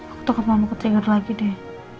aku tukar mama ketiga lagi deh